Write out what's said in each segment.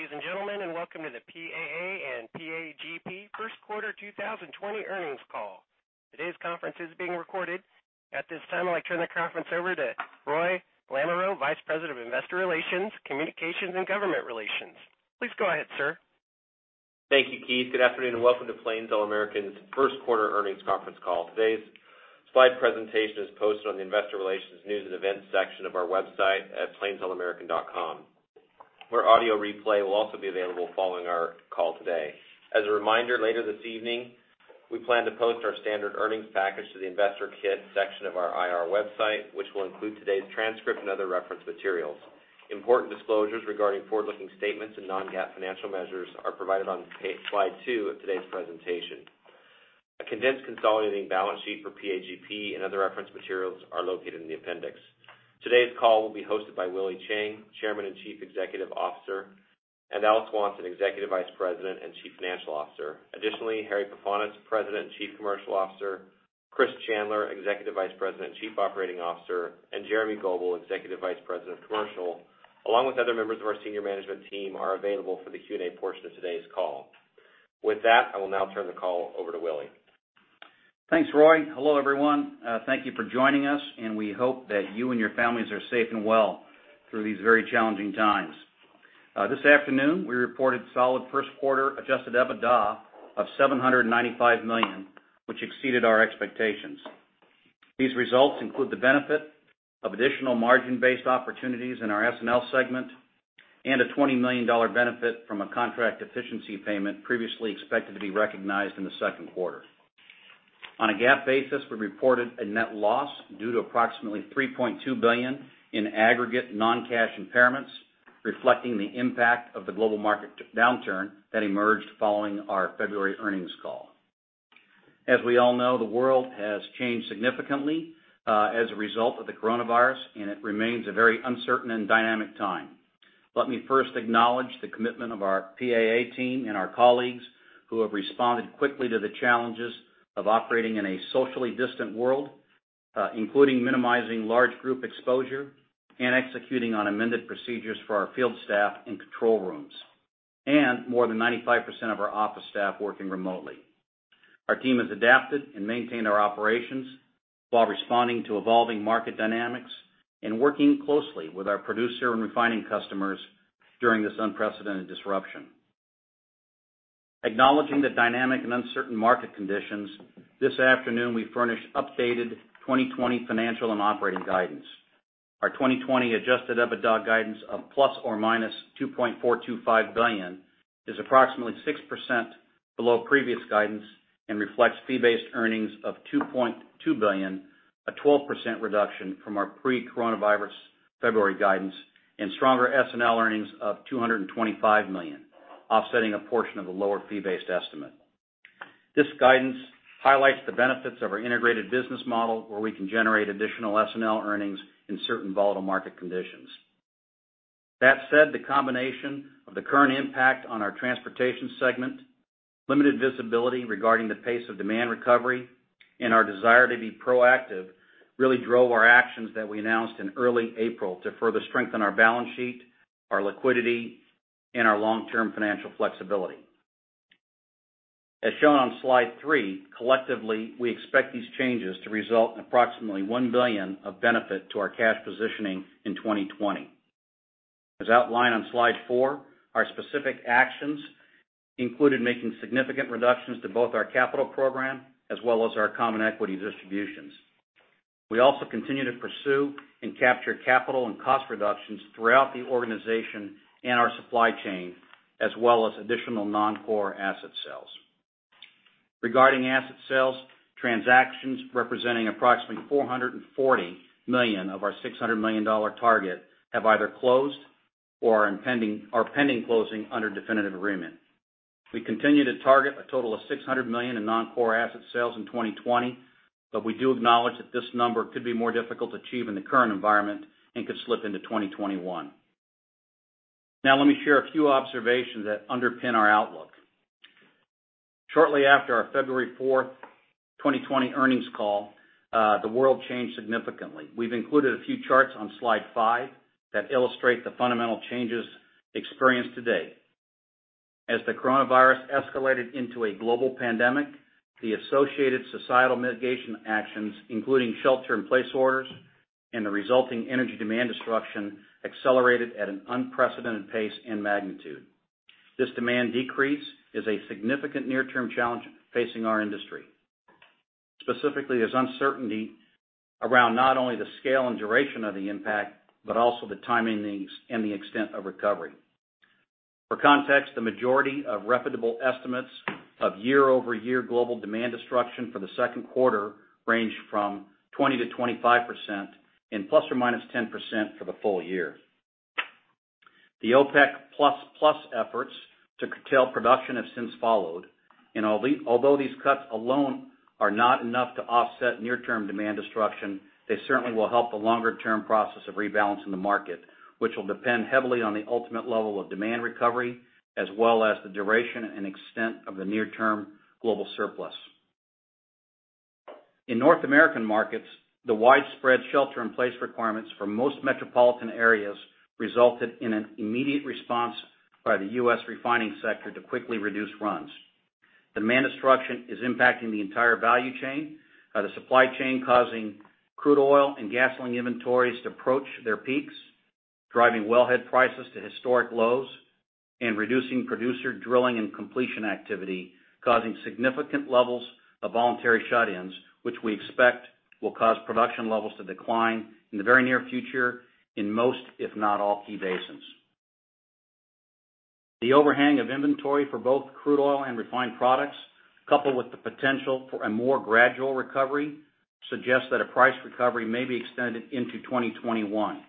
Good day, ladies and gentlemen, and welcome to the PAA and PAGP First Quarter 2020 Earnings Call. Today's conference is being recorded. At this time, I'd like to turn the conference over to Roy Lamoreaux, Vice President of Investor Relations, Communications, and Government Relations. Please go ahead, sir. Thank you, Keith. Good afternoon, and welcome to Plains All American's First Quarter Earnings Conference Call. Today's slide presentation is posted on the investor relations news and events section of our website at plainsallamerican.com, where audio replay will also be available following our call today. As a reminder, later this evening, we plan to post our standard earnings package to the investor kit section of our IR website, which will include today's transcript and other reference materials. Important disclosures regarding forward-looking statements and non-GAAP financial measures are provided on slide two of today's presentation. A condensed consolidated balance sheet for PAGP and other reference materials are located in the appendix. Today's call will be hosted by Willie Chiang, Chairman and Chief Executive Officer, and Al Swanson, Executive Vice President and Chief Financial Officer. Additionally, Harry Pefanis, President and Chief Commercial Officer, Chris Chandler, Executive Vice President, Chief Operating Officer, and Jeremy Goebel, Executive Vice President of Commercial, along with other members of our senior management team, are available for the Q&A portion of today's call. With that, I will now turn the call over to Willie. Thanks, Roy. Hello, everyone. Thank you for joining us, and we hope that you and your families are safe and well through these very challenging times. This afternoon, we reported solid first quarter adjusted EBITDA of $795 million, which exceeded our expectations. These results include the benefit of additional margin-based opportunities in our S&L segment and a $20 million benefit from a contract efficiency payment previously expected to be recognized in the second quarter. On a GAAP basis, we reported a net loss due to approximately $3.2 billion in aggregate non-cash impairments, reflecting the impact of the global market downturn that emerged following our February earnings call. As we all know, the world has changed significantly as a result of the coronavirus, and it remains a very uncertain and dynamic time. Let me first acknowledge the commitment of our PAA team and our colleagues who have responded quickly to the challenges of operating in a socially distant world including minimizing large group exposure and executing on amended procedures for our field staff and control rooms. More than 95% of our office staff working remotely. Our team has adapted and maintained our operations while responding to evolving market dynamics and working closely with our producer and refining customers during this unprecedented disruption. Acknowledging the dynamic and uncertain market conditions, this afternoon we furnished updated 2020 financial and operating guidance. Our 2020 adjusted EBITDA guidance of ±$2.425 billion is approximately 6% below previous guidance and reflects fee-based earnings of $2.2 billion, a 12% reduction from our pre-coronavirus February guidance, and stronger S&L earnings of $225 million, offsetting a portion of the lower fee-based estimate. This guidance highlights the benefits of our integrated business model, where we can generate additional S&L earnings in certain volatile market conditions. That said, the combination of the current impact on our transportation segment, limited visibility regarding the pace of demand recovery, and our desire to be proactive really drove our actions that we announced in early April to further strengthen our balance sheet, our liquidity, and our long-term financial flexibility. As shown on slide three, collectively, we expect these changes to result in approximately $1 billion of benefit to our cash positioning in 2020. As outlined on slide four, our specific actions included making significant reductions to both our capital program as well as our common equity distributions. We also continue to pursue and capture capital and cost reductions throughout the organization and our supply chain, as well as additional non-core asset sales. Regarding asset sales, transactions representing approximately $440 million of our $600 million target have either closed or are pending closing under definitive agreement. We continue to target a total of $600 million in non-core asset sales in 2020, we do acknowledge that this number could be more difficult to achieve in the current environment and could slip into 2021. Now let me share a few observations that underpin our outlook. Shortly after our February 4th, 2020 earnings call, the world changed significantly. We've included a few charts on slide five that illustrate the fundamental changes experienced today. As the coronavirus escalated into a global pandemic, the associated societal mitigation actions, including shelter-in-place orders and the resulting energy demand destruction, accelerated at an unprecedented pace and magnitude. This demand decrease is a significant near-term challenge facing our industry. Specifically, there's uncertainty around not only the scale and duration of the impact but also the timing and the extent of recovery. For context, the majority of reputable estimates of year-over-year global demand destruction for the second quarter range from 20%-25% and ±10% for the full year. Although these OPEC plus plus efforts to curtail production have since followed, and these cuts alone are not enough to offset near-term demand destruction, they certainly will help the longer-term process of rebalancing the market. Which will depend heavily on the ultimate level of demand recovery as well as the duration and extent of the near-term global surplus. In North American markets, the widespread shelter-in-place requirements for most metropolitan areas resulted in an immediate response by the U.S. refining sector to quickly reduce runs. Demand destruction is impacting the entire value chain, the supply chain causing crude oil and gasoline inventories to approach their peaks, driving wellhead prices to historic lows, and reducing producer drilling and completion activity, causing significant levels of voluntary shut-ins, which we expect will cause production levels to decline in the very near future in most, if not all, key basins. The overhang of inventory for both crude oil and refined products, coupled with the potential for a more gradual recovery, suggests that a price recovery may be extended into 2021.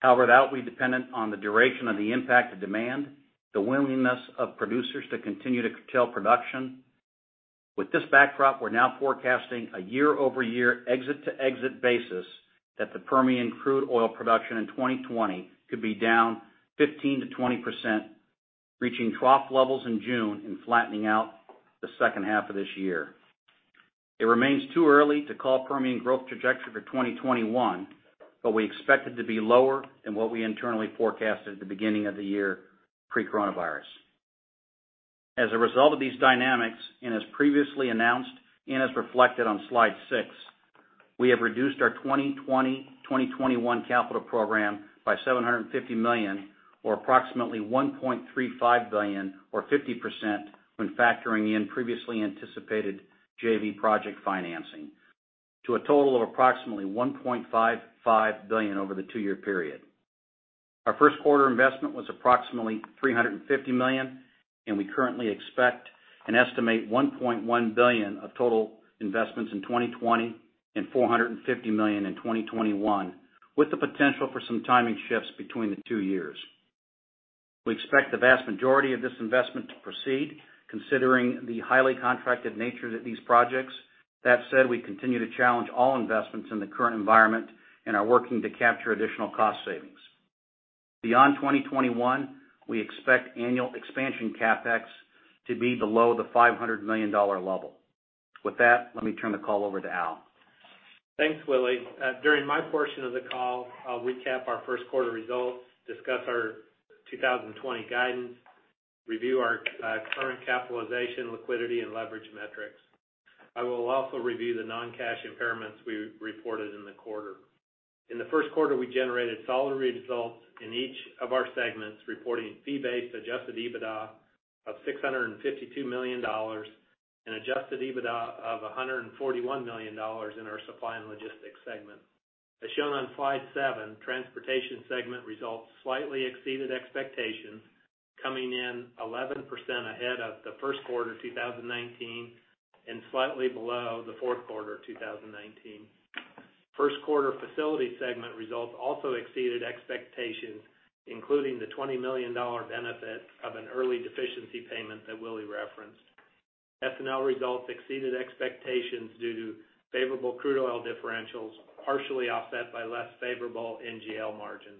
However, that will be dependent on the duration of the impact of demand, the willingness of producers to continue to curtail production. With this backdrop, we're now forecasting a year-over-year exit-to-exit basis that the Permian crude oil production in 2020 could be down 15%-20%, reaching trough levels in June and flattening out the second half of this year. It remains too early to call Permian growth trajectory for 2021, but we expect it to be lower than what we internally forecasted at the beginning of the year, pre-coronavirus. As a result of these dynamics, as previously announced and as reflected on slide six, we have reduced our 2020-2021 capital program by $750 million, or approximately $1.35 billion, or 50%, when factoring in previously anticipated JV project financing to a total of approximately $1.55 billion over the two-year period. Our first quarter investment was approximately $350 million, and we currently expect an estimated $1.1 billion of total investments in 2020 and $450 million in 2021, with the potential for some timing shifts between the two years. We expect the vast majority of this investment to proceed, considering the highly contracted nature of these projects. That said, we continue to challenge all investments in the current environment and are working to capture additional cost savings. Beyond 2021, we expect annual expansion CapEx to be below the $500 million level. With that, let me turn the call over to Al. Thanks, Willie. During my portion of the call, I'll recap our first quarter results, discuss our 2020 guidance, review our current capitalization, liquidity, and leverage metrics. I will also review the non-cash impairments we reported in the quarter. In the first quarter, we generated solid results in each of our segments, reporting fee-based adjusted EBITDA of $652 million and adjusted EBITDA of $141 million in our Supply and Logistics segment. As shown on slide seven, Transportation segment results slightly exceeded expectations, coming in 11% ahead of the first quarter 2019 and slightly below the fourth quarter 2019. First quarter Facility segment results also exceeded expectations, including the $20 million benefit of an early deficiency payment that Willie referenced. S&L results exceeded expectations due to favorable crude oil differentials, partially offset by less favorable NGL margins.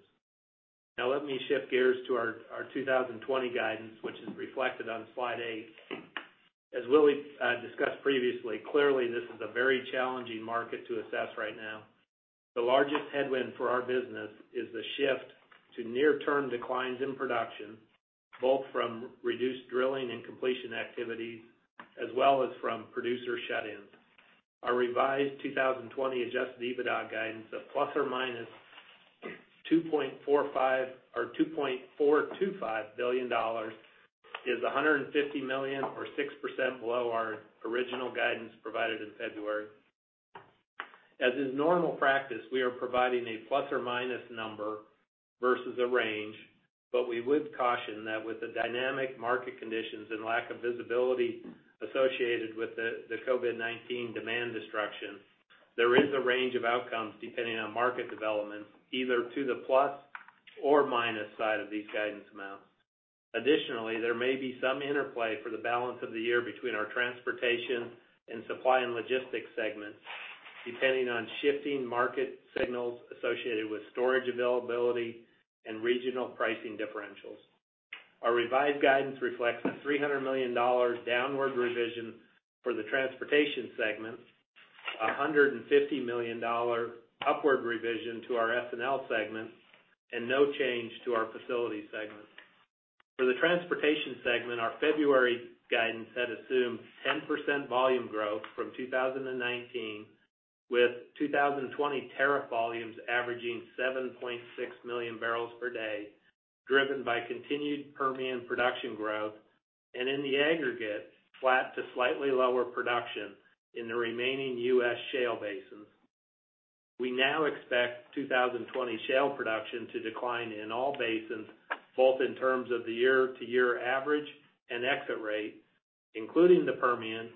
Let me shift gears to our 2020 guidance, which is reflected on slide eight. As Willie discussed previously, clearly this is a very challenging market to assess right now. The largest headwind for our business is the shift to near-term declines in production, both from reduced drilling and completion activities, as well as from producer shut-ins. Our revised 2020 adjusted EBITDA guidance of ±$2.425 billion is $150 million, or 6%, below our original guidance provided in February. As is normal practice, we are providing a plus and minus number versus a range, we would caution that with the dynamic market conditions and lack of visibility associated with the COVID-19 demand destruction, there is a range of outcomes depending on market developments, either to the plus or minus side of these guidance amounts. Additionally, there may be some interplay for the balance of the year between our transportation and Supply & Logistics segments, depending on shifting market signals associated with storage availability and regional pricing differentials. Our revised guidance reflects a $300 million downward revision for the transportation segment, a $150 million upward revision to our S&L segment, and no change to our facilities segment. For the transportation segment, our February guidance had assumed 10% volume growth from 2019, with 2020 tariff volumes averaging 7.6 million barrels per day, driven by continued Permian production growth, and in the aggregate, flat to slightly lower production in the remaining U.S. shale basins. We now expect 2020 shale production to decline in all basins, both in terms of the year-to-year average and exit rate, including the Permian,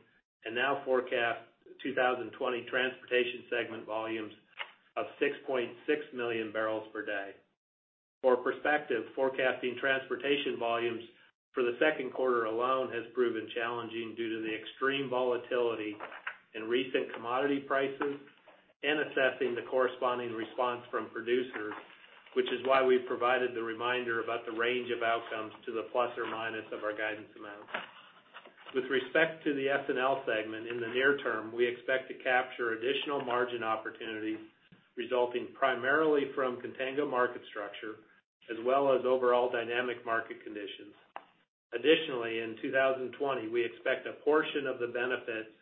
and now forecast 2020 transportation segment volumes of 6.6 million barrels per day. For perspective, forecasting transportation volumes for the second quarter alone has proven challenging due to the extreme volatility in recent commodity prices. Assessing the corresponding response from producers, which is why we've provided the reminder about the range of outcomes to the plus or minus of our guidance amounts. With respect to the S&L segment in the near term, we expect to capture additional margin opportunities resulting primarily from contango market structure as well as overall dynamic market conditions. Additionally, in 2020, we expect a portion of the benefits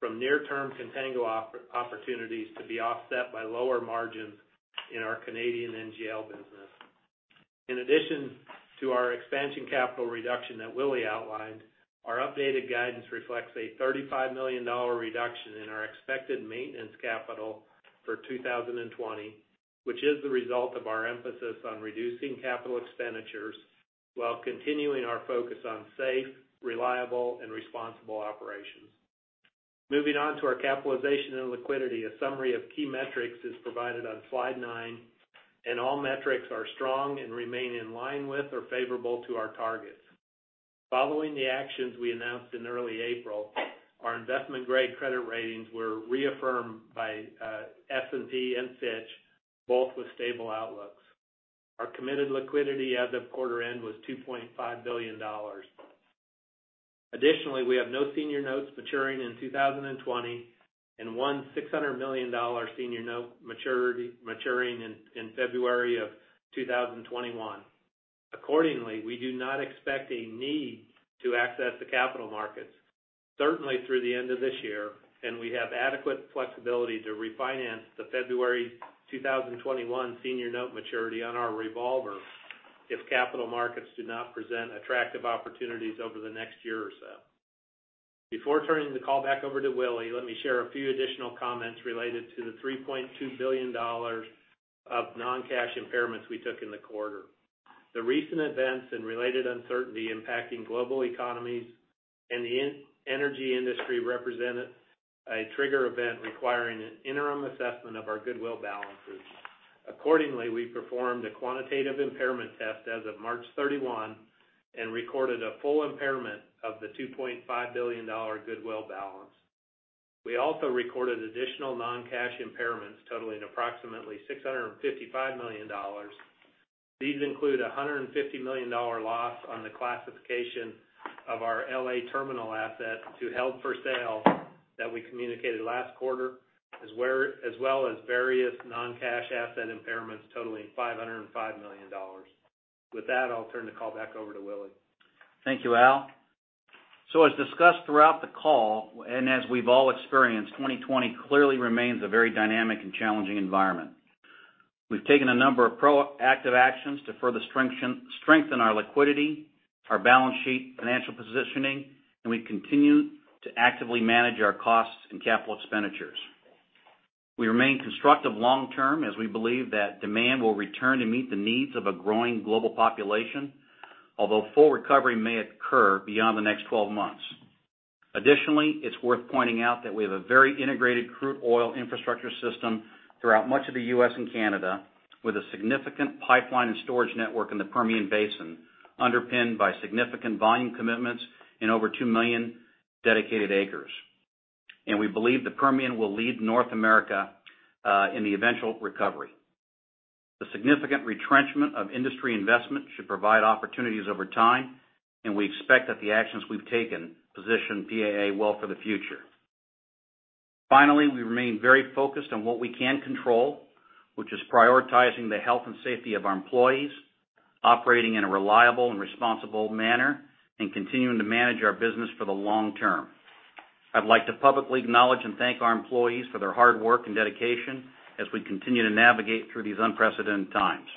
from near-term contango opportunities to be offset by lower margins in our Canadian NGL business. In addition to our expansion capital reduction that Willie outlined, our updated guidance reflects a $35 million reduction in our expected maintenance capital for 2020, which is the result of our emphasis on reducing capital expenditures while continuing our focus on safe, reliable, and responsible operations. Moving on to our capitalization and liquidity. A summary of key metrics is provided on slide nine. All metrics are strong and remain in line with or favorable to our targets. Following the actions we announced in early April, our investment-grade credit ratings were reaffirmed by S&P and Fitch, both with stable outlooks. Our committed liquidity as of quarter end was $2.5 billion. Additionally, we have no senior notes maturing in 2020 and one $600 million senior note maturing in February of 2021. Accordingly, we do not expect a need to access the capital markets, certainly through the end of this year. We have adequate flexibility to refinance the February 2021 senior note maturity on our revolver if capital markets do not present attractive opportunities over the next year or so. Before turning the call back over to Willie, let me share a few additional comments related to the $3.2 billion of non-cash impairments we took in the quarter. The recent events and related uncertainty impacting global economies and the energy industry represented a trigger event requiring an interim assessment of our goodwill balances. Accordingly, we performed a quantitative impairment test as of March 31 and recorded a full impairment of the $2.5 billion goodwill balance. We also recorded additional non-cash impairments totaling approximately $655 million. These include $150 million loss on the classification of our L.A. terminal asset to held for sale that we communicated last quarter, as well as various non-cash asset impairments totaling $505 million. With that, I'll turn the call back over to Willie. Thank you, Al. As discussed throughout the call, and as we've all experienced, 2020 clearly remains a very dynamic and challenging environment. We've taken a number of proactive actions to further strengthen our liquidity, our balance sheet, financial positioning, and we continue to actively manage our costs and capital expenditures. We remain constructive long term as we believe that demand will return to meet the needs of a growing global population, although full recovery may occur beyond the next 12 months. Additionally, it's worth pointing out that we have a very integrated crude oil infrastructure system throughout much of the U.S. and Canada, with a significant pipeline and storage network in the Permian Basin, underpinned by significant volume commitments in over 2 million dedicated acres. We believe the Permian will lead North America in the eventual recovery. The significant retrenchment of industry investment should provide opportunities over time, and we expect that the actions we've taken position PAA well for the future. We remain very focused on what we can control, which is prioritizing the health and safety of our employees, operating in a reliable and responsible manner, and continuing to manage our business for the long term. I'd like to publicly acknowledge and thank our employees for their hard work and dedication as we continue to navigate through these unprecedented times.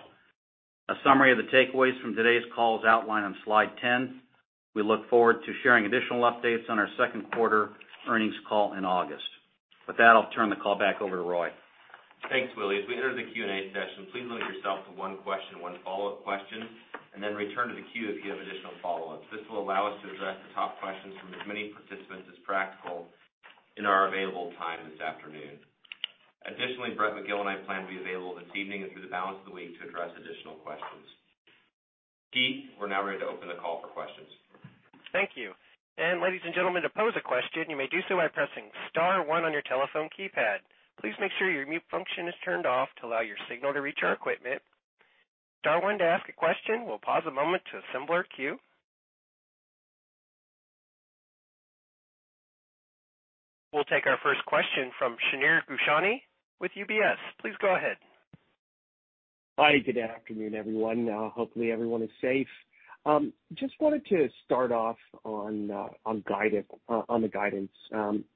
A summary of the takeaways from today's call is outlined on slide 10. We look forward to sharing additional updates on our second quarter earnings call in August. With that, I'll turn the call back over to Roy. Thanks, Willie. As we enter the Q&A session, please limit yourself to one question, one follow-up question, and then return to the queue if you have additional follow-ups. This will allow us to address the top questions from as many participants as practical in our available time this afternoon. Brett Magill and I plan to be available this evening and through the balance of the week to address additional questions. Keith, we're now ready to open the call for questions. Thank you. Ladies and gentlemen, to pose a question, you may do so by pressing star one on your telephone keypad. Please make sure your mute function is turned off to allow your signal to reach our equipment. Star one to ask a question. We'll pause a moment to assemble our queue. We'll take our first question from Shneur Gershuni with UBS. Please go ahead. Hi, good afternoon, everyone. Hopefully everyone is safe. Just wanted to start off on the guidance.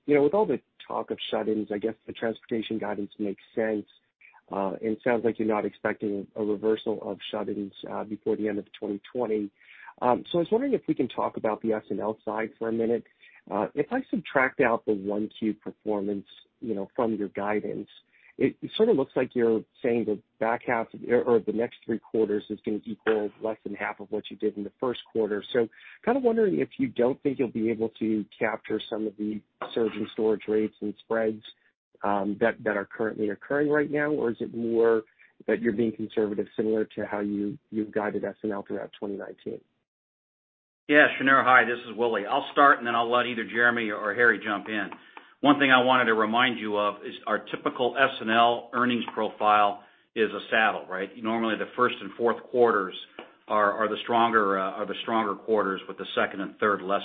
With all the talk of shut-ins, I guess the transportation guidance makes sense. It sounds like you're not expecting a reversal of shut-ins before the end of 2020. I was wondering if we can talk about the S&L side for a minute. If I subtract out the 1Q performance from your guidance, it sort of looks like you're saying the back half or the next three quarters is going to equal less than half of what you did in the first quarter. Kind of wondering if you don't think you'll be able to capture some of the surge in storage rates and spreads that are currently occurring right now, or is it more that you're being conservative similar to how you've guided S&L throughout 2019? Shneur. Hi, this is Willie. I'll start, and then I'll let either Jeremy or Harry jump in. One thing I wanted to remind you of is our typical S&L earnings profile is a saddle, right? Normally, the first and fourth quarters are the stronger quarters with the second and third less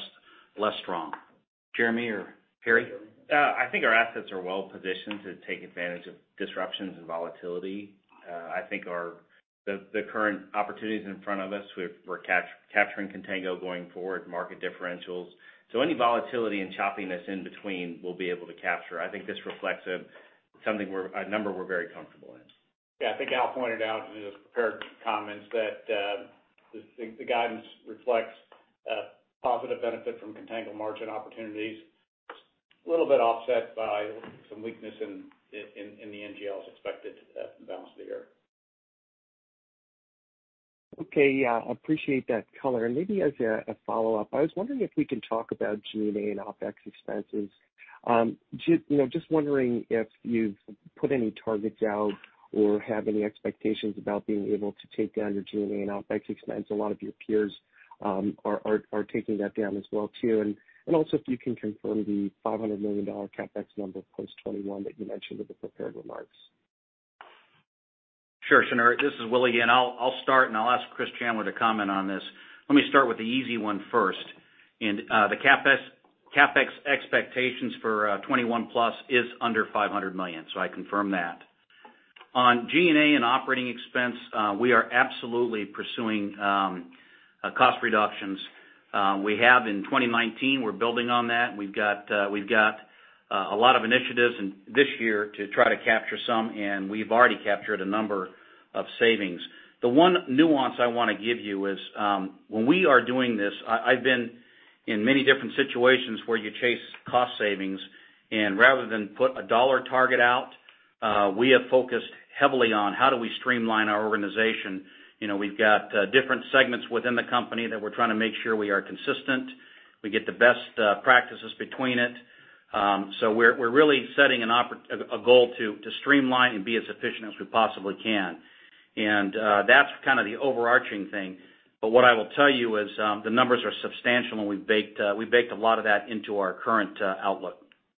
strong. Jeremy or Harry? I think our assets are well-positioned to take advantage of disruptions and volatility. I think the current opportunities in front of us, we're capturing contango going forward, market differentials. Any volatility and choppiness in between we'll be able to capture. I think this reflects a number we're very comfortable in. Yeah, I think Al pointed out in his prepared comments that the guidance reflects a positive benefit from contango margin opportunities, a little bit offset by some weakness in the NGL as expected for the balance of the year. Okay. Yeah, appreciate that color. Maybe as a follow-up, I was wondering if we can talk about G&A and OpEx expenses. Just wondering if you've put any targets out or have any expectations about being able to take down your G&A and OpEx expense. A lot of your peers are taking that down as well too. Also if you can confirm the $500 million CapEx number post 2021 that you mentioned with the prepared remarks. Sure, Shneur. This is Willie again. I'll start, and I'll ask Chris Chandler to comment on this. Let me start with the easy one first. The CapEx expectations for 2021 plus is under $500 million. I confirm that. On G&A and operating expense, we are absolutely pursuing cost reductions. We have in 2019. We're building on that. We've got a lot of initiatives this year to try to capture some, and we've already captured a number of savings. The one nuance I want to give you is, when we are doing this, I've been in many different situations where you chase cost savings, rather than put a dollar target out, we have focused heavily on: how do we streamline our organization? We've got different segments within the company that we're trying to make sure we are consistent, we get the best practices between it. We're really setting a goal to streamline and be as efficient as we possibly can. That's kind of the overarching thing. What I will tell you is, the numbers are substantial, and we baked a lot of that into our current outlook.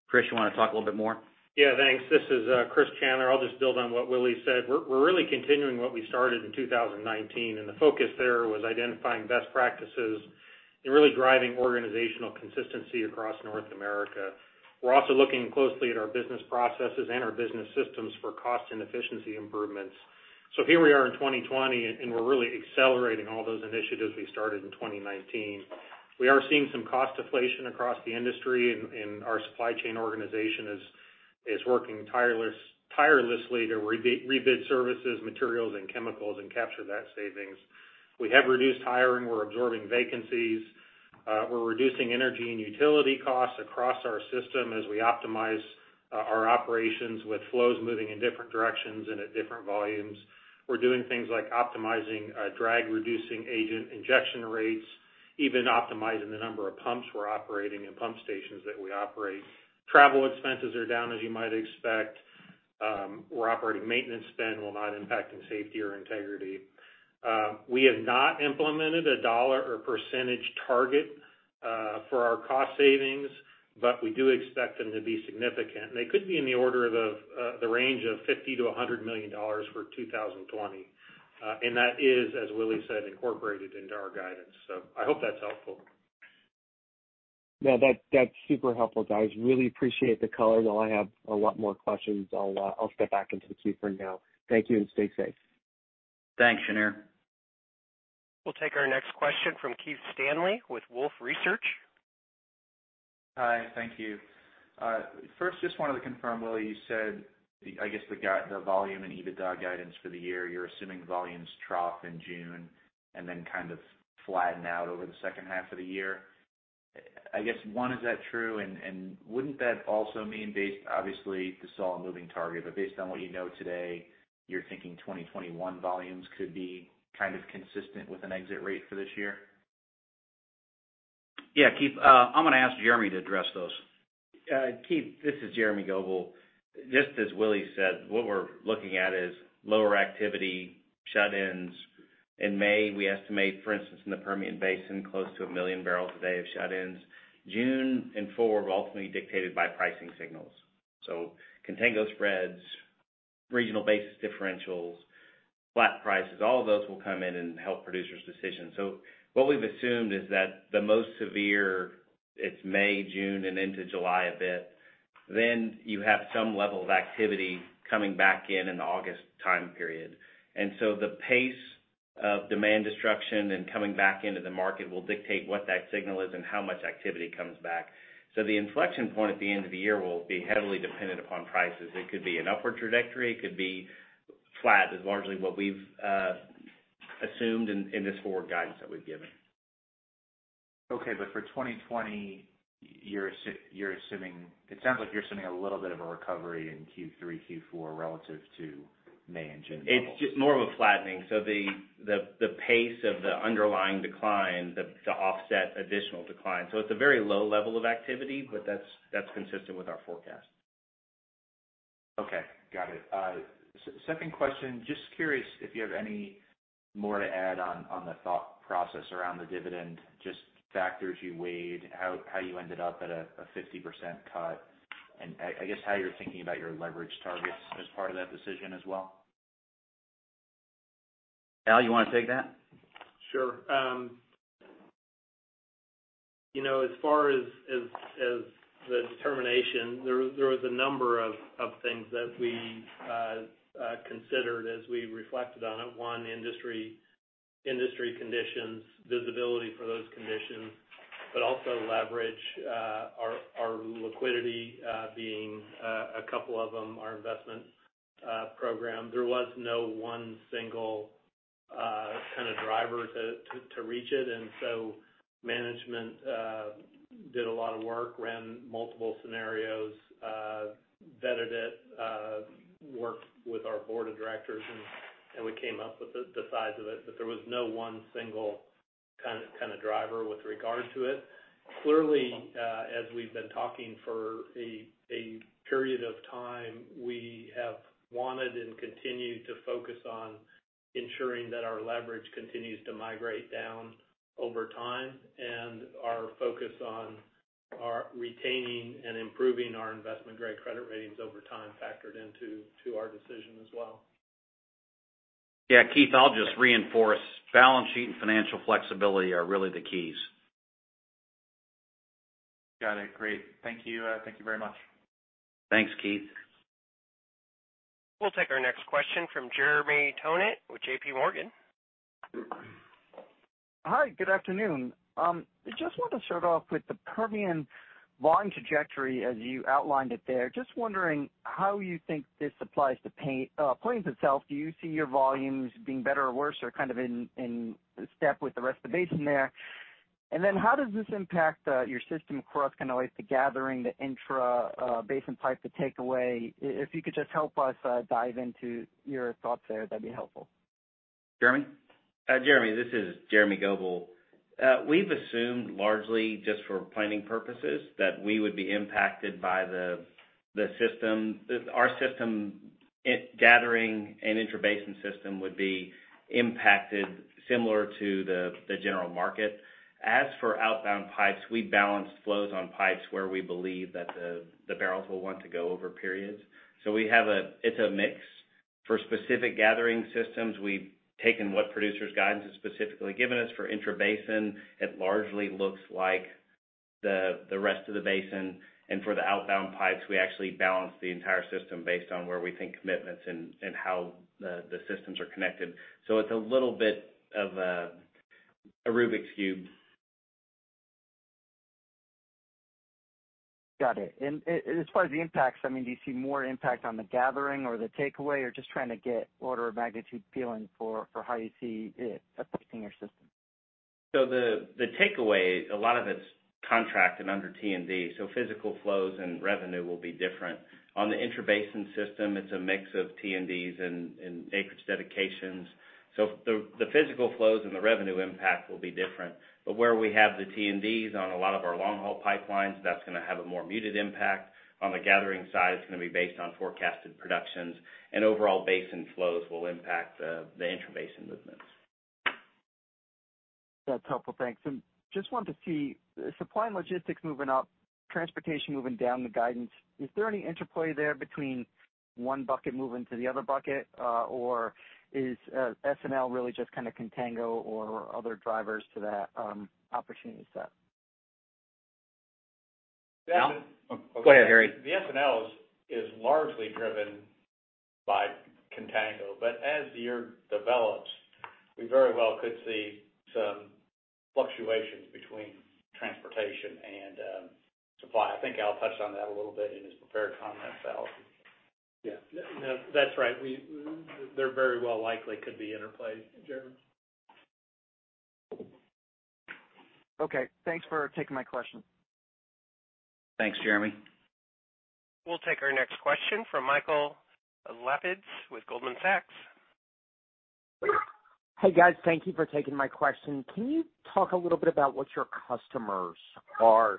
Chris, you want to talk a little bit more? Yeah, thanks. This is Chris Chandler. I'll just build on what Willie said. We're really continuing what we started in 2019, and the focus there was identifying best practices and really driving organizational consistency across North America. We're also looking closely at our business processes and our business systems for cost and efficiency improvements. Here we are in 2020, and we're really accelerating all those initiatives we started in 2019. We are seeing some cost deflation across the industry, and our supply chain organization is working tirelessly to rebid services, materials, and chemicals and capture that savings. We have reduced hiring. We're absorbing vacancies. We're reducing energy and utility costs across our system as we optimize our operations with flows moving in different directions and at different volumes. We're doing things like optimizing drag-reducing agent injection rates, even optimizing the number of pumps we're operating and pump stations that we operate. Travel expenses are down, as you might expect. We're operating maintenance spend while not impacting safety or integrity. We have not implemented a dollar or percentage target for our cost savings, but we do expect them to be significant. They could be in the range of $50 million-$100 million for 2020. That is, as Willie said, incorporated into our guidance. I hope that's helpful. Yeah, that's super helpful, guys. Really appreciate the color. Though I have a lot more questions, I'll step back into the queue for now. Thank you, and stay safe. Thanks, Shneur. We'll take our next question from Keith Stanley with Wolfe Research. Hi. Thank you. First, just wanted to confirm, Willie, you said, I guess the volume and EBITDA guidance for the year, you're assuming volumes trough in June and then kind of flatten out over the second half of the year. I guess, one, is that true? Wouldn't that also mean, obviously this is all a moving target, but based on what you know today, you're thinking 2021 volumes could be kind of consistent with an exit rate for this year? Yeah, Keith. I'm gonna ask Jeremy to address those. Keith, this is Jeremy Goebel. Just as Willie said, what we're looking at is lower activity shut-ins. In May, we estimate, for instance, in the Permian Basin, close to 1 million barrels a day of shut-ins. June and forward will ultimately be dictated by pricing signals. Contango spreads, regional basis differentials, flat prices, all of those will come in and help producers' decisions. What we've assumed is that the most severe, it's May, June, and into July a bit. Then you have some level of activity coming back in in the August time period. The pace of demand destruction and coming back into the market will dictate what that signal is and how much activity comes back. The inflection point at the end of the year will be heavily dependent upon prices. It could be an upward trajectory. It could be flat, is largely what we've assumed in this forward guidance that we've given. Okay. For 2020, it sounds like you're assuming a little bit of a recovery in Q3, Q4 relative to May and June levels. It's more of a flattening. The pace of the underlying decline to offset additional decline. It's a very low level of activity, but that's consistent with our forecast. Okay. Got it. Second question, just curious if you have any more to add on the thought process around the dividend, just factors you weighed, how you ended up at a 50% cut, and I guess how you're thinking about your leverage targets as part of that decision as well. Al, you want to take that? Sure. As far as the determination, there was a number of things that we considered as we reflected on it. One, industry conditions, visibility for those conditions, but also leverage our liquidity being a couple of them, our investment program. There was no one single driver to reach it. Management did a lot of work, ran multiple scenarios, vetted it, worked with our board of directors, and we came up with the size of it. There was no one single driver with regard to it. Clearly, as we've been talking for a period of time, we have wanted and continue to focus on ensuring that our leverage continues to migrate down over time. Our focus on our retaining and improving our investment-grade credit ratings over time factored into our decision as well. Keith, I'll just reinforce. Balance sheet and financial flexibility are really the keys. Got it. Great. Thank you. Thank you very much. Thanks, Keith. We'll take our next question from Jeremy Tonet with JPMorgan. Hi, good afternoon. I just want to start off with the Permian volume trajectory as you outlined it there. Just wondering how you think this applies to Plains itself. Do you see your volumes being better or worse or kind of in step with the rest of the basin there? How does this impact your system across kind of like the gathering, the intra-basin pipe, the takeaway? If you could just help us dive into your thoughts there, that'd be helpful. Jeremy? Jeremy, this is Jeremy Goebel. We've assumed largely just for planning purposes, that our system gathering and intrabasin system would be impacted similar to the general market. For outbound pipes, we balance flows on pipes where we believe that the barrels will want to go over periods. It's a mix. For specific gathering systems, we've taken what producer's guidance has specifically given us. For intrabasin, it largely looks like the rest of the basin, and for the outbound pipes, we actually balance the entire system based on where we think commitments and how the systems are connected. It's a little bit of a Rubik's Cube. Got it. As far as the impacts, do you see more impact on the gathering or the takeaway, or just trying to get order of magnitude feeling for how you see it affecting your system? The takeaway, a lot of it's contracted under T&D, so physical flows and revenue will be different. On the intrabasin system, it's a mix of T&Ds and acreage dedications. The physical flows and the revenue impact will be different. Where we have the T&Ds on a lot of our long-haul pipelines, that's going to have a more muted impact. On the gathering side, it's going to be based on forecasted productions, and overall basin flows will impact the intrabasin movements. That's helpful. Thanks. Just wanted to see, Supply & Logistics moving up, Transportation moving down the guidance. Is there any interplay there between one bucket moving to the other bucket? Is S&L really just kind of contango or other drivers to that opportunity set? Al? Go ahead, Jeremy. The S&L is largely driven by contango, but as the year develops, we very well could see some fluctuations between transportation and supply. I think Al touched on that a little bit in his prepared comments, Al. Yeah. That's right. There very well likely could be interplay, Jeremy. Okay, thanks for taking my question. Thanks, Jeremy. We'll take our next question from Michael Lapides with Goldman Sachs. Hey, guys. Thank you for taking my question. Can you talk a little bit about what your customers are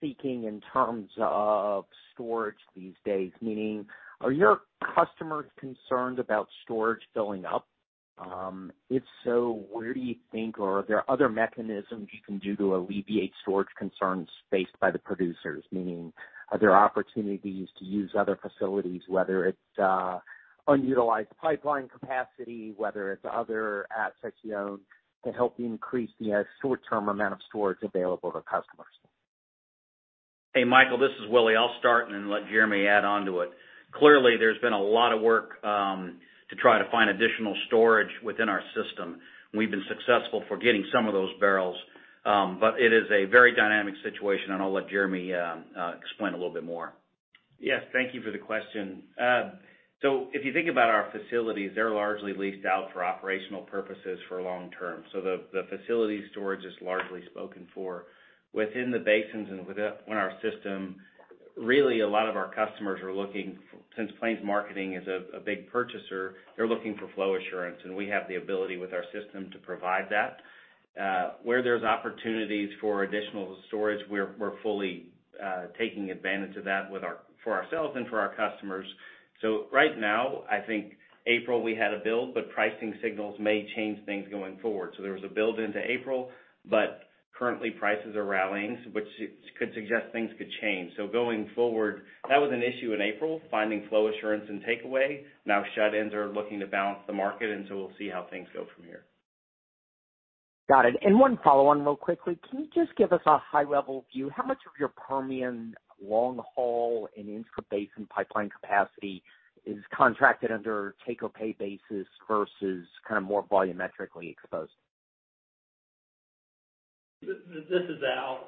seeking in terms of storage these days? Meaning, are your customers concerned about storage filling up? If so, where do you think, or are there other mechanisms you can do to alleviate storage concerns faced by the producers? Meaning, are there opportunities to use other facilities, whether it's unutilized pipeline capacity, whether it's other assets you own to help increase the short-term amount of storage available to customers? Hey, Michael, this is Willie. I'll start and then let Jeremy add onto it. Clearly, there's been a lot of work to try to find additional storage within our system. We've been successful for getting some of those barrels. It is a very dynamic situation, and I'll let Jeremy explain a little bit more. Yes. Thank you for the question. If you think about our facilities, they're largely leased out for operational purposes for long-term. The facility storage is largely spoken for. Within the basins and on our system. Really, a lot of our customers are looking, since Plains Marketing is a big purchaser, they're looking for flow assurance, and we have the ability with our system to provide that. Where there's opportunities for additional storage, we're fully taking advantage of that for ourselves and for our customers. Right now, I think April we had a build, but pricing signals may change things going forward. There was a build into April, but currently prices are rallying, which could suggest things could change. Going forward, that was an issue in April, finding flow assurance and takeaway. Now shut-ins are looking to balance the market, and so we'll see how things go from here. Got it. One follow-on real quickly, can you just give us a high-level view how much of your Permian long-haul and intrabasin pipeline capacity is contracted under take-or-pay basis versus more volumetrically exposed? This is Al.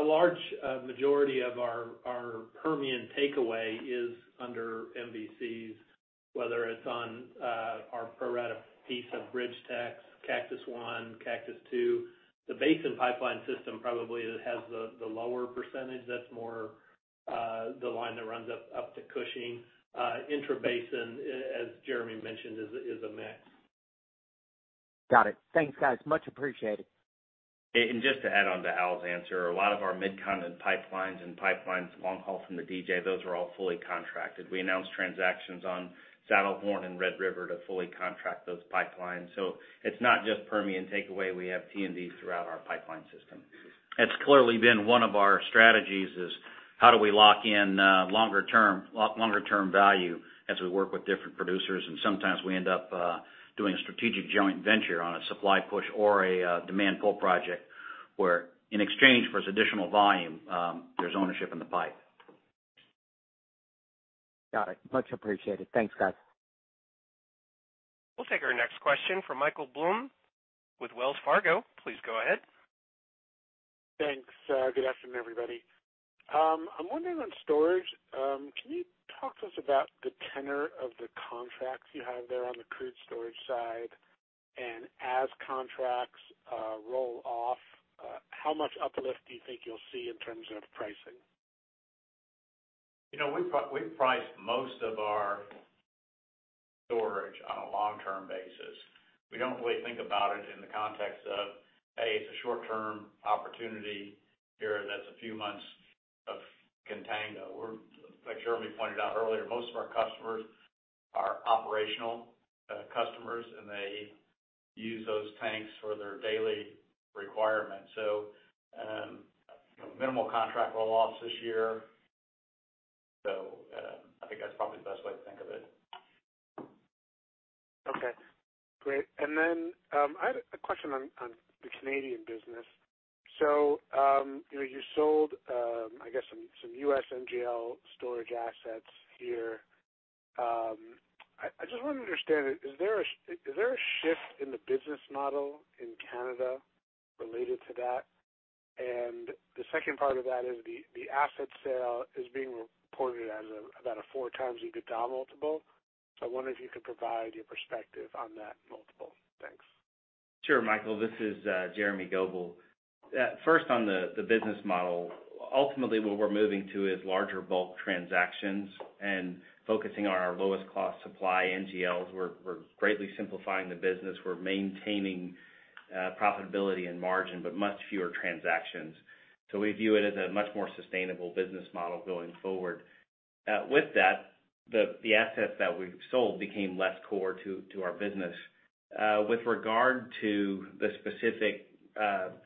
A large majority of our Permian takeaway is under MVCs, whether it's on our pro rata piece of BridgeTex, Cactus One, Cactus Two. The basin pipeline system probably has the lower percentage. That's more the line that runs up to Cushing, intrabasin, as Jeremy mentioned, is a mix. Got it. Thanks, guys. Much appreciated. Just to add on to Al's answer, a lot of our Mid-Continent pipelines and pipelines long-haul from the DJ, those are all fully contracted. We announced transactions on Saddlehorn and Red River to fully contract those pipelines. It's not just Permian takeaway. We have T&Ds throughout our pipeline system. It's clearly been one of our strategies is how do we lock in longer term value as we work with different producers, and sometimes we end up doing a strategic joint venture on a supply push or a demand pull project where in exchange for additional volume, there's ownership in the pipe. Got it. Much appreciated. Thanks, guys. We'll take our next question from Michael Blum with Wells Fargo. Please go ahead. Thanks. Good afternoon, everybody. I'm wondering on storage, can you talk to us about the tenor of the contracts you have there on the crude storage side? As contracts roll off, how much uplift do you think you'll see in terms of pricing? We price most of our storage on a long-term basis. We don't really think about it in the context of a short-term opportunity here that's a few months of contango. Like Jeremy pointed out earlier, most of our customers are operational customers, and they use those tanks for their daily requirements. Minimal contract roll-offs this year. I think that's probably the best way to think of it. Okay, great. I had a question on the Canadian business. You sold, I guess some U.S. NGLs storage assets here. I just want to understand, is there a shift in the business model in Canada related to that? The second part of that is the asset sale is being reported as about a 4x EBITDA multiple. I wonder if you could provide your perspective on that multiple. Thanks. Sure, Michael, this is Jeremy Goebel. First on the business model, ultimately what we're moving to is larger bulk transactions and focusing on our lowest cost supply, NGLs. We're greatly simplifying the business. We're maintaining profitability and margin, but much fewer transactions. We view it as a much more sustainable business model going forward. With that, the assets that we've sold became less core to our business. With regard to the specific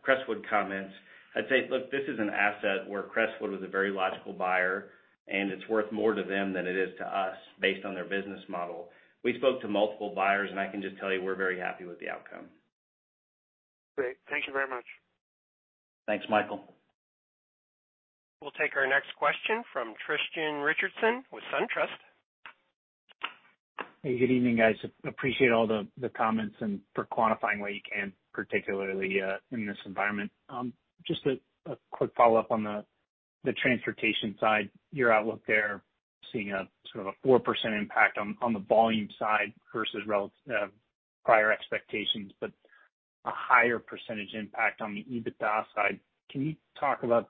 Crestwood comments, I'd say, look, this is an asset where Crestwood was a very logical buyer, and it's worth more to them than it is to us based on their business model. We spoke to multiple buyers, and I can just tell you we're very happy with the outcome. Great. Thank you very much. Thanks, Michael. We'll take our next question from Tristan Richardson with SunTrust. Hey, good evening, guys. Appreciate all the comments and for quantifying what you can, particularly in this environment. Just a quick follow-up on the transportation side, your outlook there, seeing a sort of a 4% impact on the volume side versus prior expectations, but a higher percentage impact on the EBITDA side. Can you talk about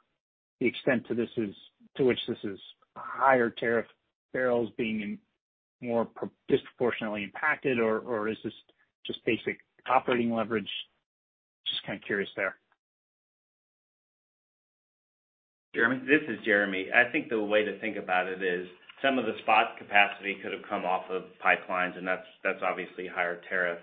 the extent to which this is higher tariff barrels being more disproportionately impacted, or is this just basic operating leverage? Just kind of curious there. Jeremy? This is Jeremy. I think the way to think about it is some of the spot capacity could have come off of pipelines. That's obviously higher tariff.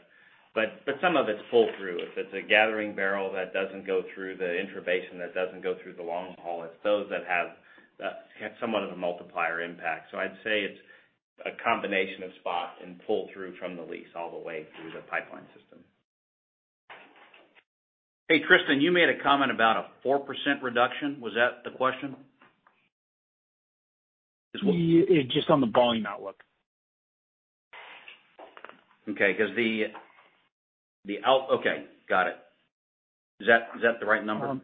Some of it's pull-through. If it's a gathering barrel that doesn't go through the intrabasin, that doesn't go through the long haul, it's those that have somewhat of a multiplier impact. I'd say it's a combination of spot and pull through from the lease all the way through the pipeline system. Hey, Tristan, you made a comment about a 4% reduction. Was that the question? Just on the volume outlook. Okay. Got it. Is that the right number? 4%?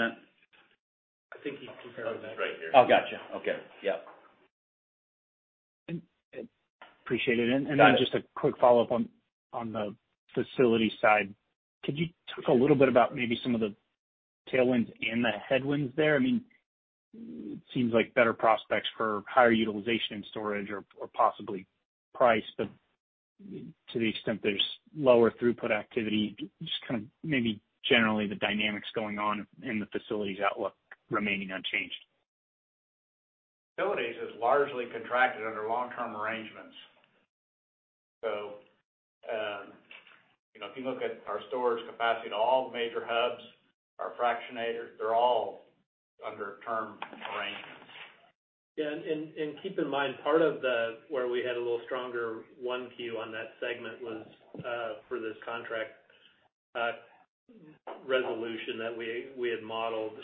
I think he compared it right here. Got you. Okay. Yeah. Appreciate it. Just a quick follow-up on the facility side. Could you talk a little bit about maybe some of the tailwinds and the headwinds there? It seems like better prospects for higher utilization and storage or possibly price, but to the extent there's lower throughput activity, just kind of maybe generally the dynamics going on in the facilities outlook remaining unchanged. Facilities is largely contracted under long-term arrangements. If you look at our storage capacity to all the major hubs, our fractionators, they're all under term arrangements. Keep in mind, part of where we had a little stronger 1Q on that segment was for this contract resolution that we had modeled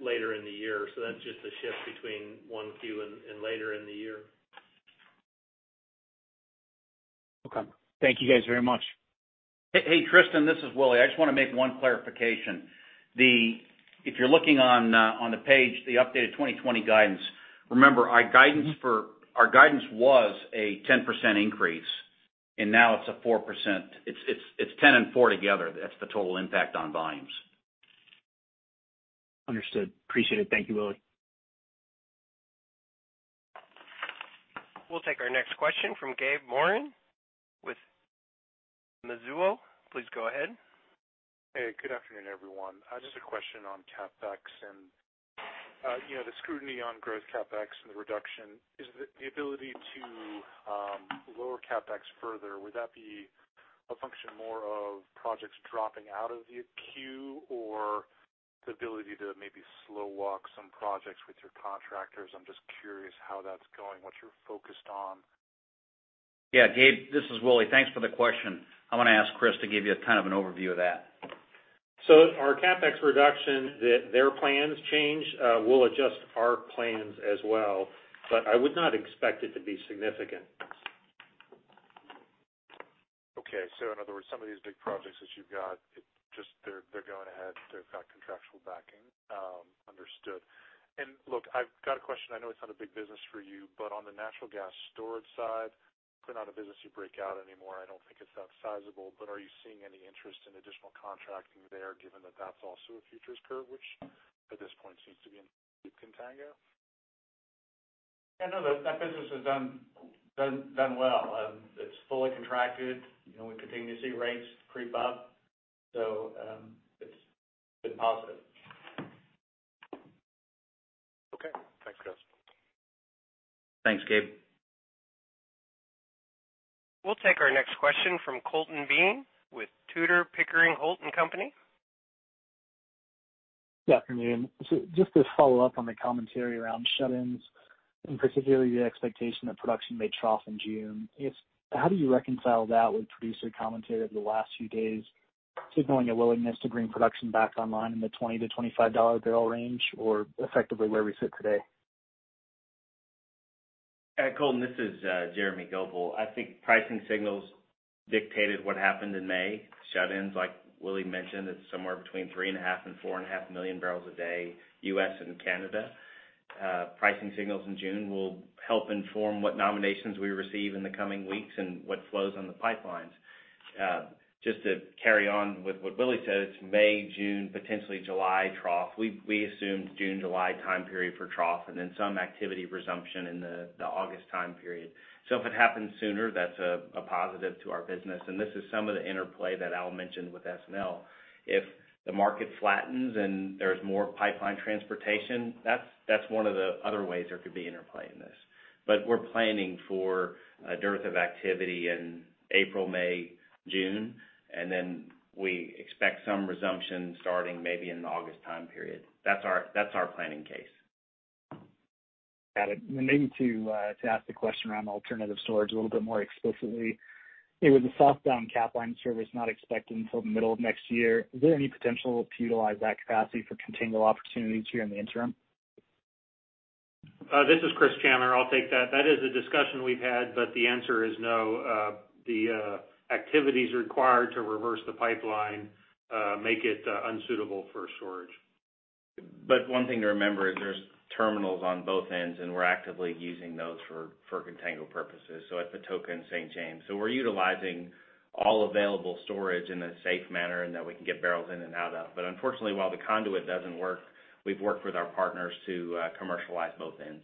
later in the year. That's just a shift between 1Q and later in the year. Okay. Thank you guys very much. Hey, Tristan, this is Willie. I just want to make one clarification. If you're looking on the page, the updated 2020 guidance, remember our guidance was a 10% increase, now it's a 4%. It's 10% and 4% together. That's the total impact on volumes. Understood. Appreciate it. Thank you, Willie. We'll take our next question from Gabe Moreen with Mizuho. Please go ahead. Hey, good afternoon, everyone. Just a question on CapEx and the scrutiny on growth CapEx and the reduction. Is the ability to lower CapEx further, would that be a function more of projects dropping out of the queue or the ability to maybe slow walk some projects with your contractors? I'm just curious how that's going, what you're focused on. Yeah, Gabe, this is Willie. Thanks for the question. I'm going to ask Chris to give you kind of an overview of that. Our CapEx reduction. Their plans change. We'll adjust our plans as well, but I would not expect it to be significant. Okay. In other words, some of these big projects that you've got, they're going ahead. They've got contractual backing. Understood. Look, I've got a question. I know it's not a big business for you, but on the natural gas storage side, clearly not a business you break out anymore. I don't think it's that sizable, but are you seeing any interest in additional contracting there, given that that's also a futures curve, which at this point seems to be in contango? Yeah, no, that business has done well. It's fully contracted. We continue to see rates creep up, so it's been positive. Okay. Thanks, Chris. Thanks, Gabe. We'll take our next question from Colton Bean with Tudor, Pickering, Holt & Co. Good afternoon. Just to follow up on the commentary around shut-ins, and particularly the expectation that production may trough in June, how do you reconcile that with producer commentary over the last few days signaling a willingness to bring production back online in the $20-$25 barrel range or effectively where we sit today? Colton, this is Jeremy Goebel. I think pricing signals dictated what happened in May. Shut-ins, like Willie mentioned, is somewhere between three and a half and four and a half million barrels a day, U.S. and Canada. Pricing signals in June will help inform what nominations we receive in the coming weeks and what flows on the pipelines. Just to carry on with what Willie said, it's May, June, potentially July trough. We assumed June, July time period for trough, and then some activity resumption in the August time period. If it happens sooner, that's a positive to our business, and this is some of the interplay that Al mentioned with S&L. If the market flattens and there's more pipeline transportation, that's one of the other ways there could be interplay in this. We're planning for a dearth of activity in April, May, June, and then we expect some resumption starting maybe in the August time period. That's our planning case. Got it. Maybe to ask the question around alternative storage a little bit more explicitly, with the Southbound Capline service not expected until the middle of next year, is there any potential to utilize that capacity for contango opportunities here in the interim? This is Chris Chandler. I'll take that. That is a discussion we've had, but the answer is no. The activities required to reverse the pipeline make it unsuitable for storage. One thing to remember is there's terminals on both ends, and we're actively using those for contango purposes, so at Patoka and St. James. We're utilizing all available storage in a safe manner and that we can get barrels in and out of. Unfortunately, while the conduit doesn't work, we've worked with our partners to commercialize both ends.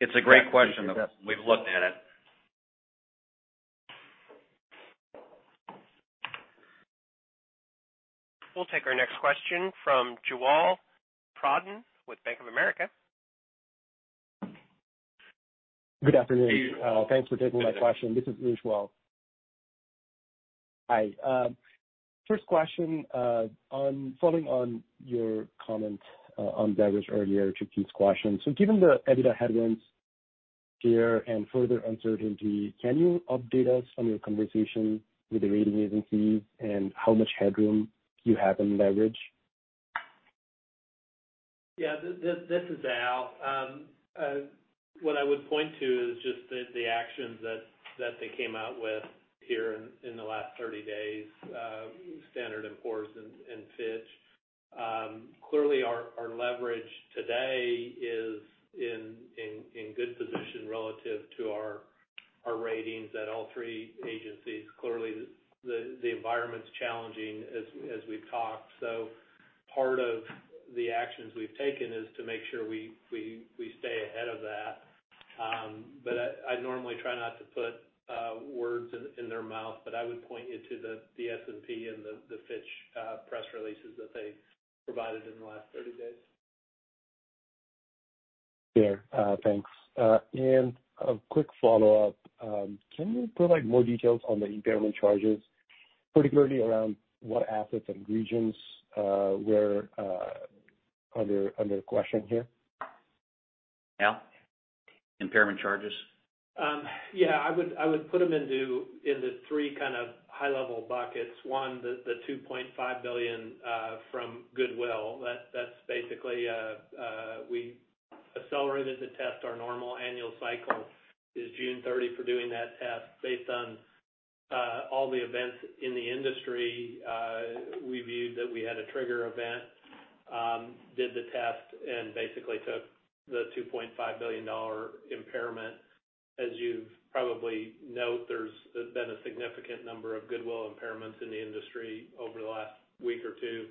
It's a great question, though. We've looked at it. We'll take our next question from Ujjwal Pradhan with Bank of America. Good afternoon. Thanks for taking my question. This is Ujjwal. Hi. First question, following on your comment on leverage earlier to Keith's question. Given the EBITDA headwinds here and further uncertainty, can you update us on your conversation with the rating agencies and how much headroom you have in leverage? Yeah. This is Al. What I would point to is just the actions that they came out with here in the last 30 days, Standard and Poor's and Fitch. Clearly, our leverage today is in good position relative to our ratings at all three agencies. Clearly, the environment's challenging as we've talked. Part of the actions we've taken is to make sure we stay ahead of that. I normally try not to put words in their mouth, but I would point you to the S&P and the Fitch press releases that they provided in the last 30 days. Yeah. Thanks. A quick follow-up. Can you provide more details on the impairment charges, particularly around what assets and regions were under question here? Al, impairment charges? I would put them into three kind of high-level buckets. One, the $2.5 billion from goodwill. That's basically we accelerated the test. Our normal annual cycle is June 30 for doing that test. Based on all the events in the industry, we viewed that we had a trigger event, did the test, and basically took the $2.5 billion impairment. As you probably note, there's been a significant number of goodwill impairments in the industry over the last week or two.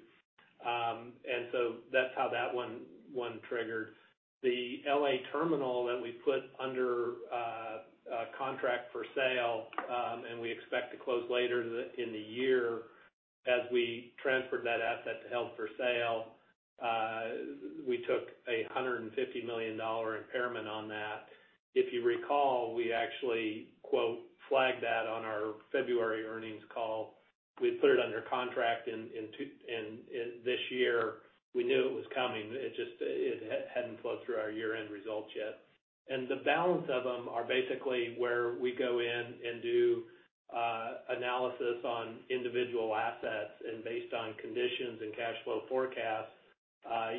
That's how that one triggered. The L.A. terminal that we put under a contract for sale, and we expect to close later in the year, as we transferred that asset to held for sale, we took a $150 million impairment on that. If you recall, we actually, quote, "flagged that" on our February earnings call. We had put it under contract this year. We knew it was coming, it just hadn't flowed through our year-end results yet. The balance of them are basically where we go in and do analysis on individual assets, and based on conditions and cash flow forecasts,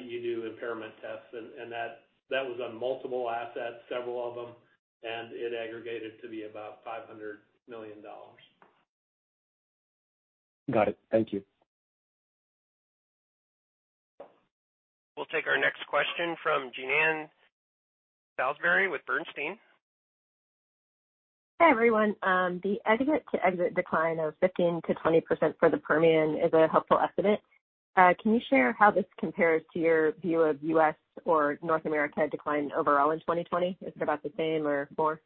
you do impairment tests, and that was on multiple assets, several of them, and it aggregated to be about $500 million. Got it. Thank you. We'll take our next question from Jean Ann Salisbury with Bernstein. Hi, everyone. The exit-to-exit decline of 15%-20% for the Permian is a helpful estimate. Can you share how this compares to your view of U.S. or North America decline overall in 2020? Is it about the same or more?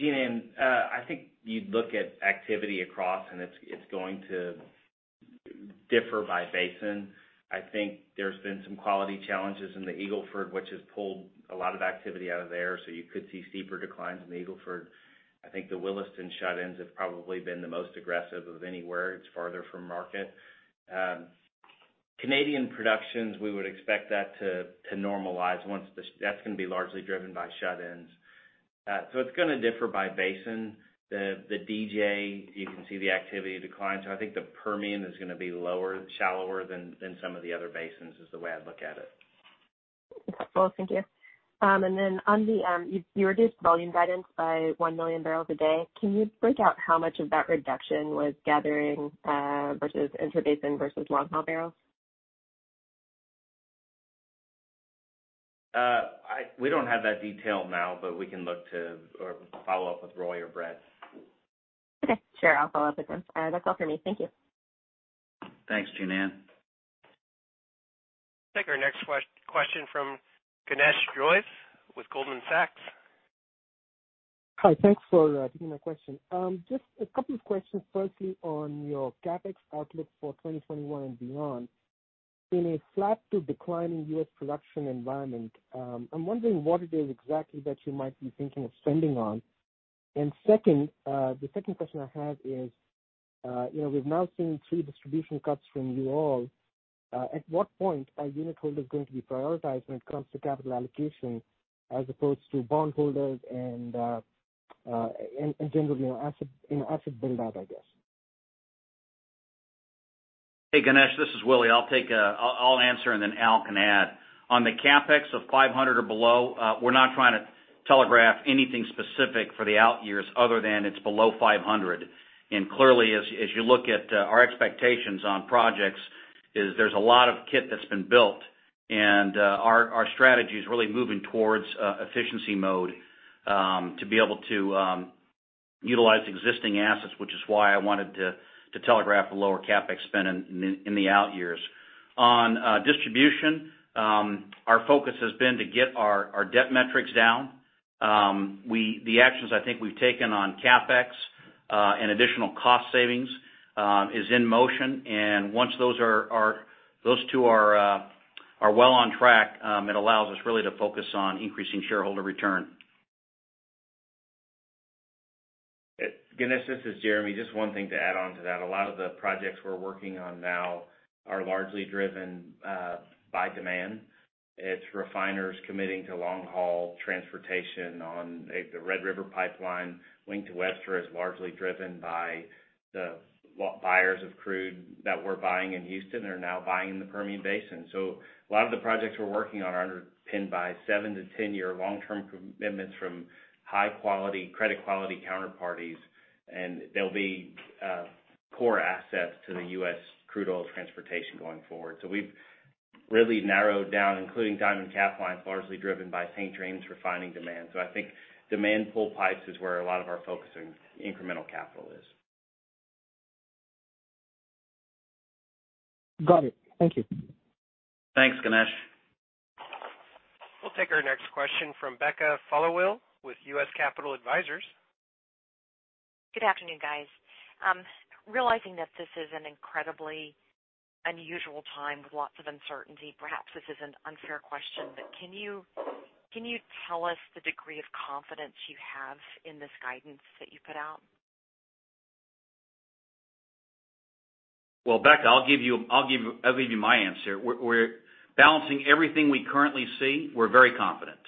Jean Ann, I think you'd look at activity across, and it's going to differ by basin. I think there's been some quality challenges in the Eagle Ford, which has pulled a lot of activity out of there. You could see steeper declines in the Eagle Ford. I think the Williston shut-ins have probably been the most aggressive of anywhere. It's farther from market. Canadian productions, we would expect that to normalize. That's going to be largely driven by shut-ins. It's going to differ by basin. The DJ, you can see the activity decline. I think the Permian is going to be lower, shallower than some of the other basins, is the way I'd look at it. That's helpful. Thank you. You reduced volume guidance by 1 million barrels a day. Can you break out how much of that reduction was gathering, versus intrabasin, versus long-haul barrels? We don't have that detail now, but we can look to or follow up with Roy or Brett. Okay. Sure. I'll follow up with them. That's all for me. Thank you. Thanks, Jean Ann. Take our next question from Ganesh Jois with Goldman Sachs. Hi. Thanks for taking my question. Just a couple of questions. Firstly, on your CapEx outlook for 2021 and beyond. In a flat to declining U.S. production environment, I'm wondering what it is exactly that you might be thinking of spending on. The second question I have is, we've now seen three distribution cuts from you all. At what point are unitholders going to be prioritized when it comes to capital allocation as opposed to bondholders and in general asset build-out, I guess? Hey, Ganesh. This is Willie. I'll answer, then Al can add. On the CapEx of $500 or below, we're not trying to telegraph anything specific for the out years other than it's below $500. Clearly, as you look at our expectations on projects is there's a lot of kit that's been built. Our strategy is really moving towards efficiency mode to be able to utilize existing assets, which is why I wanted to telegraph a lower CapEx spend in the out years. On distribution, our focus has been to get our debt metrics down. The actions I think we've taken on CapEx and additional cost savings is in motion, and once those two are well on track, it allows us really to focus on increasing shareholder return. Ganesh, this is Jeremy. Just one thing to add on to that. A lot of the projects we're working on now are largely driven by demand. It's refiners committing to long-haul transportation on the Red River pipeline. Wink to Webster is largely driven by the buyers of crude that we're buying in Houston are now buying in the Permian Basin. A lot of the projects we're working on are underpinned by seven to 10-year long-term commitments from high credit quality counterparties, and they'll be core assets to the U.S. crude oil transportation going forward. We've really narrowed down, including Diamond Pipeline, largely driven by St. James refining demand. I think demand pull pipes is where a lot of our focus and incremental capital is. Got it. Thank you. Thanks, Ganesh. We'll take our next question from Becca Followill with U.S. Capital Advisors. Good afternoon, guys. Realizing that this is an incredibly unusual time with lots of uncertainty, perhaps this is an unfair question, but can you tell us the degree of confidence you have in this guidance that you put out? Well, Becca, I'll give you my answer. We're balancing everything we currently see. We're very confident.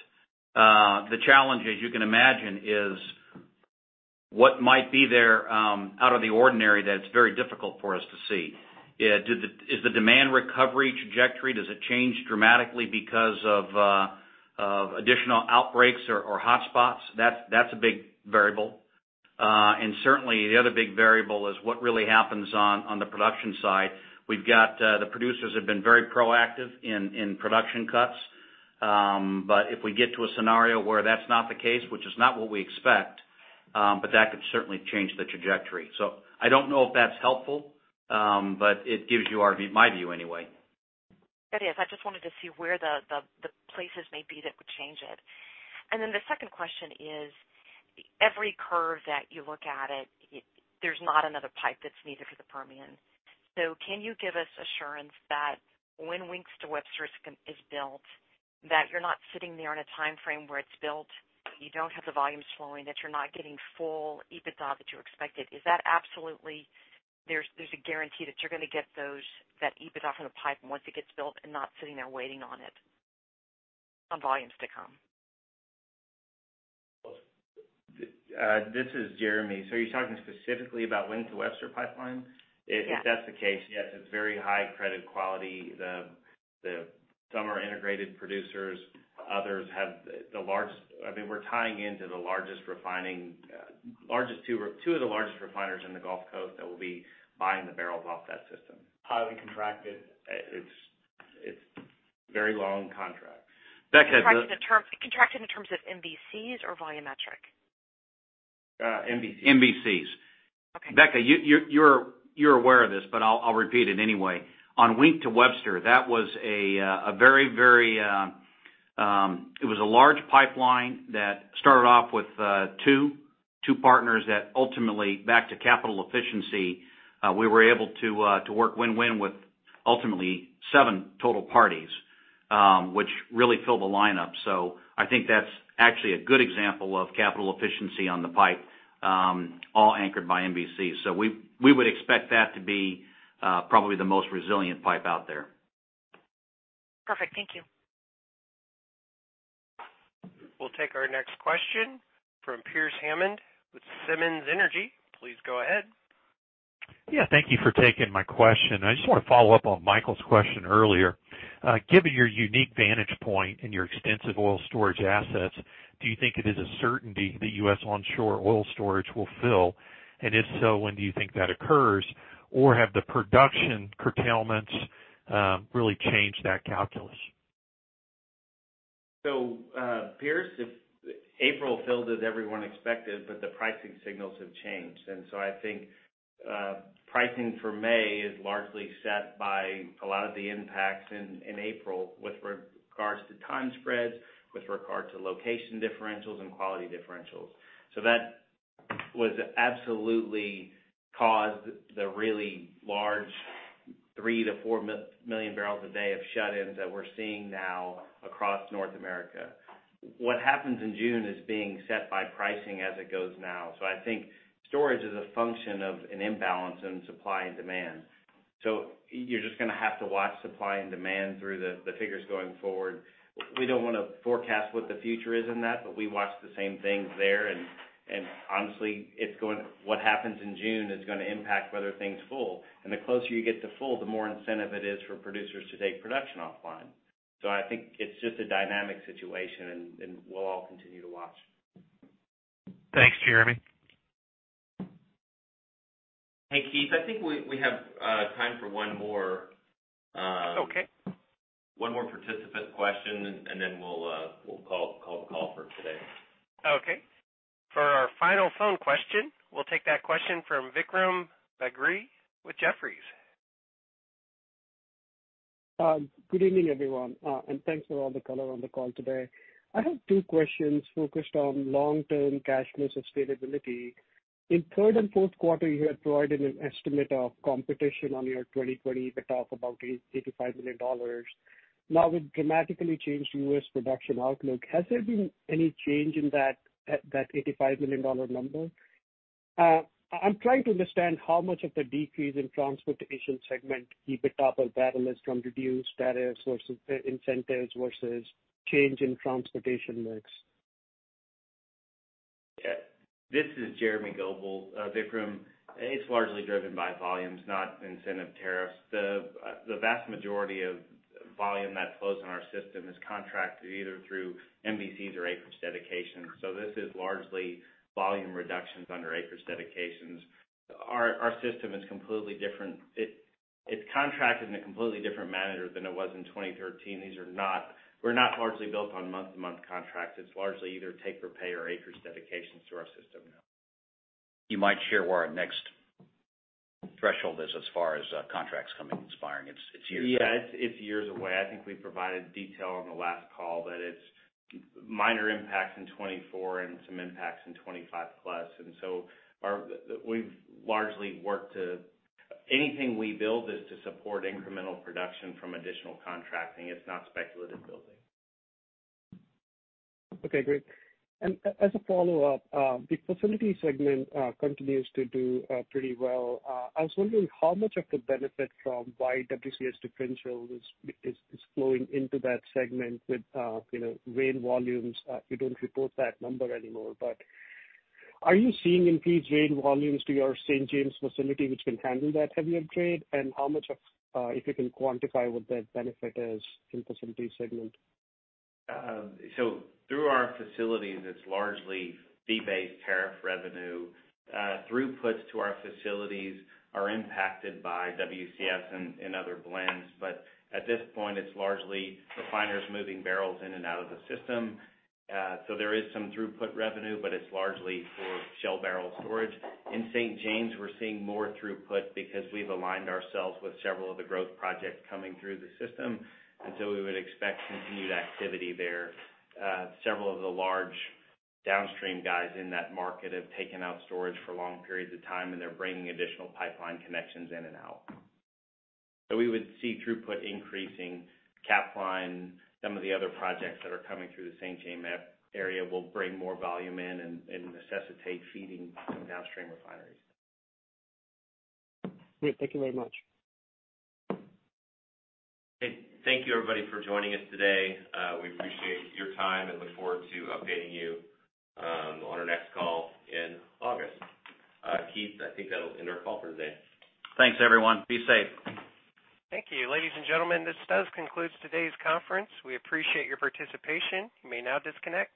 The challenge, as you can imagine, is what might be there out of the ordinary that's very difficult for us to see. Is the demand recovery trajectory, does it change dramatically because of additional outbreaks or hotspots? That's a big variable. Certainly, the other big variable is what really happens on the production side. We've got the producers have been very proactive in production cuts. If we get to a scenario where that's not the case, which is not what we expect, but that could certainly change the trajectory. I don't know if that's helpful, but it gives you my view anyway. It is. I just wanted to see where the places may be that would change it. The second question is, every curve that you look at it, there's not another pipe that's needed for the Permian. Can you give us assurance that when Wink to Webster is built, that you're not sitting there in a timeframe where it's built, you don't have the volumes flowing, that you're not getting full EBITDA that you expected? Is that absolutely there's a guarantee that you're going to get that EBITDA from the pipe once it gets built and not sitting there waiting on it, on volumes to come? This is Jeremy. Are you talking specifically about Wink to Webster Pipeline? Yeah. If that's the case, yes, it's very high credit quality. Some are integrated producers. I mean, we're tying into two of the largest refiners in the Gulf Coast that will be buying the barrels off that system. Highly contracted. It's very long contracts. Becca. Contracted in terms of MVCs or volumetric? MVCs. Okay. Becca, you're aware of this. I'll repeat it anyway. On Wink to Webster, it was a large pipeline that started off with two partners that ultimately back to capital efficiency. We were able to work win-win with ultimately seven total parties, which really filled the line up. I think that's actually a good example of capital efficiency on the pipe, all anchored by MVC. We would expect that to be probably the most resilient pipe out there. Perfect. Thank you. We'll take our next question from Pearce Hammond with Simmons Energy. Please go ahead. Yeah, thank you for taking my question. I just want to follow up on Michael's question earlier. Given your unique vantage point and your extensive oil storage assets, do you think it is a certainty the U.S. onshore oil storage will fill? If so, when do you think that occurs? Have the production curtailments really changed that calculus? Pearce, April filled as everyone expected, but the pricing signals have changed. I think pricing for May is largely set by a lot of the impacts in April with regards to time spreads, with regard to location differentials and quality differentials. That was absolutely caused the really large 3 million-4 million barrels a day of shut-ins that we're seeing now across North America. What happens in June is being set by pricing as it goes now. I think storage is a function of an imbalance in supply and demand. You're just going to have to watch supply and demand through the figures going forward. We don't want to forecast what the future is in that, but we watch the same things there. Honestly, what happens in June is going to impact whether things full. The closer you get to full, the more incentive it is for producers to take production offline. I think it's just a dynamic situation, and we'll all continue to watch. Thanks, Jeremy. Hey, Keith. I think we have time for one more. Okay. One more participant question, and then we'll call for today. Okay. For our final phone question, we'll take that question from Vikram Bagri with Jefferies. Good evening, everyone, thanks for all the color on the call today. I have two questions focused on long-term cash flow sustainability. In third and fourth quarter, you had provided an estimate of competition on your 2020 EBITDA of about $85 million. With dramatically changed U.S. production outlook, has there been any change in that $85 million number? I'm trying to understand how much of the decrease in transportation segment EBITDA per barrel is from reduced tariff sources incentives versus change in transportation mix. Yeah. This is Jeremy Goebel. Vikram, it's largely driven by volumes, not incentive tariffs. The vast majority of volume that flows in our system is contracted either through MVCs or acreage dedication. This is largely volume reductions under acreage dedications. Our system is completely different. It's contracted in a completely different manner than it was in 2013. We're not largely built on month-to-month contracts. It's largely either take or pay or acres dedications through our system now. You might share where our next threshold is as far as contracts coming, expiring. It's years away. Yeah, it's years away. I think we provided detail on the last call that it's minor impacts in 2024 and some impacts in 2025+. Anything we build is to support incremental production from additional contracting. It's not speculative building. Okay, great. As a follow-up, the Facility segment continues to do pretty well. I was wondering how much of the benefit from wide WCS differential is flowing into that Facility segment with rail volumes. You don't report that number anymore, are you seeing increased rail volumes to your St. James facility, which can handle that heavier trade? How much of, if you can quantify what that benefit is in Facility segment? Through our facilities, it's largely fee-based tariff revenue. Throughputs to our facilities are impacted by WCS and other blends. At this point, it's largely refiners moving barrels in and out of the system. There is some throughput revenue, but it's largely for shell barrel storage. In St. James, we're seeing more throughput because we've aligned ourselves with several of the growth projects coming through the system, we would expect continued activity there. Several of the large downstream guys in that market have taken out storage for long periods of time, and they're bringing additional pipeline connections in and out. We would see throughput increasing. Capline, some of the other projects that are coming through the St. James area will bring more volume in and necessitate feeding some downstream refineries. Great. Thank you very much. Okay. Thank you everybody for joining us today. We appreciate your time and look forward to updating you on our next call in August. Keith, I think that will end our call for today. Thanks, everyone. Be safe. Thank you. Ladies and gentlemen, this does conclude today's conference. We appreciate your participation. You may now disconnect.